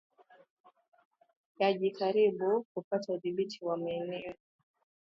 yakijaribu kupata udhibiti wa maeneo